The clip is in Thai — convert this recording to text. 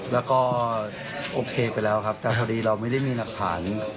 แล้วก็โอเคไปแล้วครับแต่พอดีเราไม่ได้มีหลักฐาน